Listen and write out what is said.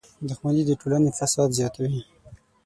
• دښمني د ټولنې فساد زیاتوي.